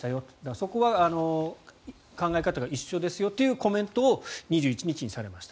そこは考え方が一緒ですよというコメントを２１日にされました。